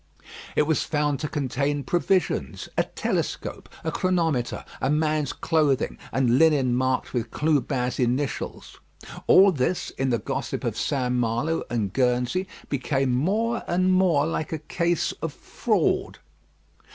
It was found to contain provisions, a telescope, a chronometer, a man's clothing, and linen marked with Clubin's initials. All this in the gossip of St. Malo and Guernsey became more and more like a case of fraud.